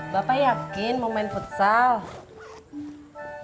bapak yakin mau main futsal